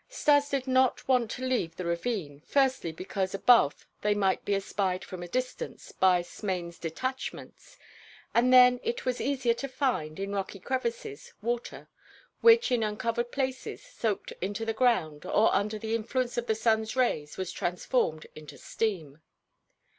Stas did not want to leave the ravine, firstly, because, above, they might be espied from a distance by Smain's detachments, and then it was easier to find, in rocky crevices, water, which in uncovered places soaked into the ground or under the influence of the sun's rays was transformed into steam.